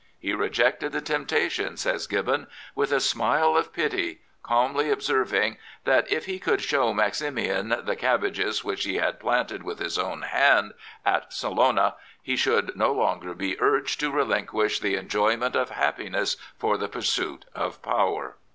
" He rejected the temptation," says Gibbon, " with a smile of pity, calmly observing that if he could show Maximian the cabbages which he had planted with his own hand at 79 Prophets, Priests, and Kings Salona he should no longer be urged to relinquish the enjoyment of happiness for the pursuit of power."